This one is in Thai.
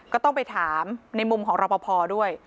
ก็ต้องไปถามในมุมของรอปภด้วย